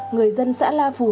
người dân xã na phủ